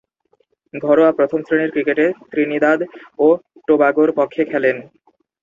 ঘরোয়া প্রথম-শ্রেণীর ক্রিকেটে ত্রিনিদাদ ও টোবাগোর পক্ষে খেলেন।